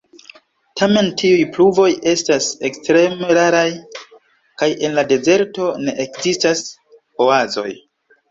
Tamen tiuj pluvoj estas ekstreme raraj, kaj en la dezerto ne ekzistas oazoj.